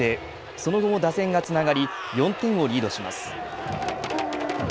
その後も打線がつながり４点をリードします。